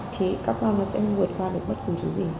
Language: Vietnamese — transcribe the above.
thì các con sẽ vượt qua được bất cứ thứ gì